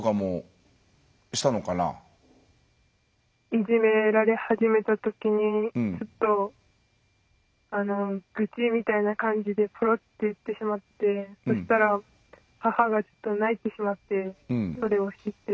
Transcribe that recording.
いじめられ始めた時にちょっと愚痴みたいな感じでポロって言ってしまってそしたら母が泣いてしまってそれを知って。